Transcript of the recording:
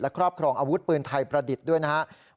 ครอบครองอาวุธปืนไทยประดิษฐ์ด้วยนะครับ